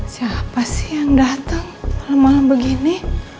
siapa sih yang datang kalau malam begini